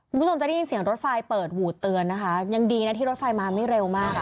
คุณผู้ชมจะได้ยินเสียงรถไฟเปิดหูดเตือนนะคะยังดีนะที่รถไฟมาไม่เร็วมาก